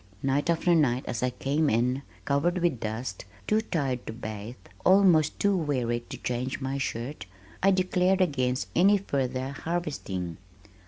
Night after night as I came in covered with dust, too tired to bathe, almost too weary to change my shirt, I declared against any further harvesting.